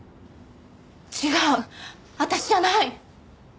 違う私じゃない！